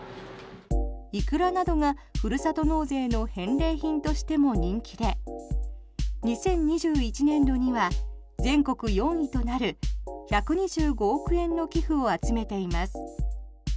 イクラなどが、ふるさと納税の返礼品としても人気で２０２１年度には全国４位となる１２５億円の寄付を集めています。